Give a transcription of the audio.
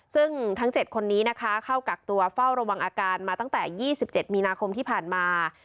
ซึ่งทั้ง๗คนนี้นะคะเข้ากักตัวเฝ้าระวังอาการมาตั้งแต่๒๗มีนาคมที่ผ่านมา